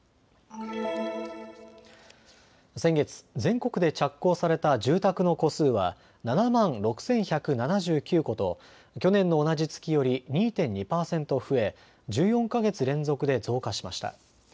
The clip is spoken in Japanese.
先月、全国で着工された住宅の戸数は７万６１７９戸と去年の同じ月より２．２％増え１４か月連続で増加しました。